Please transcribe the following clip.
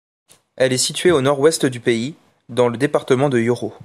Elle est située au nord-ouest du pays dans le département de Yoro.